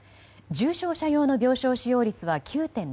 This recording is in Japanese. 重症者用の病床使用率は９．０％。